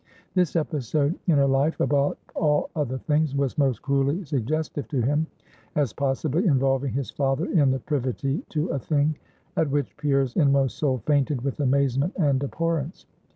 This episode in her life, above all other things, was most cruelly suggestive to him, as possibly involving his father in the privity to a thing, at which Pierre's inmost soul fainted with amazement and abhorrence.